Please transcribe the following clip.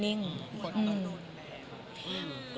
คนต้องโดนแบบ